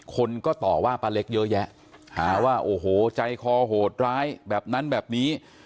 คนก็ต่อว่าป้าเล็กเยอะแยะหาว่าโอ้โหใจคอโหดร้ายแบบนั้นแบบนี้